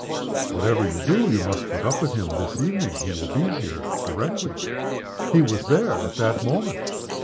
"Whatever you do you must put up with him this evening. He will be here directly." He was there at that moment.